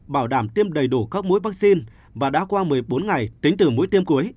bảo đảm tiêm đầy đủ các mũi vaccine và đã qua một mươi bốn ngày tính từ mũi tiêm cuối